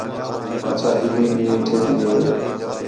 اچھا ٻلّھی بھی میٹھے تی ہے